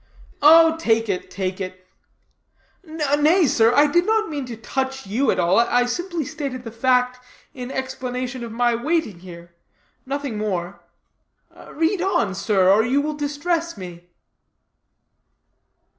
"Oh, take it, take it!" "Nay, sir, I did not mean to touch you at all. I simply stated the fact in explanation of my waiting here nothing more. Read on, sir, or you will distress me."